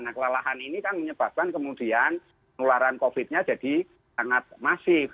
nah kelelahan ini kan menyebabkan kemudian penularan covid nya jadi sangat masif